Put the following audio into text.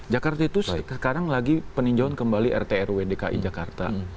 jakarta itu sekarang lagi peninjauan kembali rt rwdki jakarta